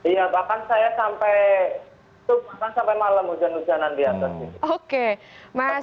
iya bahkan saya sampai malam hujan hujanan di atas